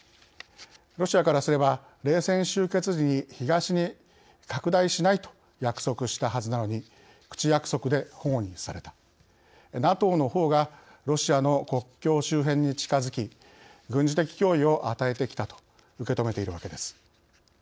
ロシアからすれば冷戦終結時に東に拡大しないと約束したはずなのに口約束でほごにされたＮＡＴＯのほうがロシアの国境周辺に近づき軍事的脅威を与えてきたと受け止めているわけです。